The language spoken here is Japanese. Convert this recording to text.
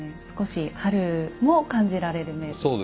少し春を感じられる銘と。